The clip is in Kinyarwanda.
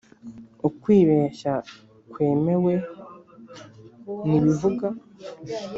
ukwibeshya kwemewe ni Bivuga